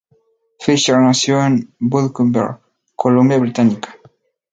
Fisher nació en Vancouver, Columbia Británica.